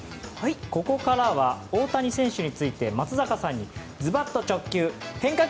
ここからは大谷選手について松坂さんにズバッと直Ｑ変化